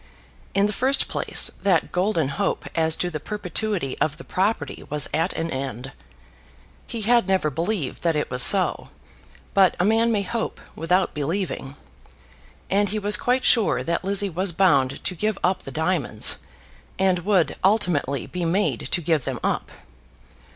In the first place, that golden hope as to the perpetuity of the property was at an end. He had never believed that it was so; but a man may hope without believing. And he was quite sure that Lizzie was bound to give up the diamonds, and would ultimately be made to give them up.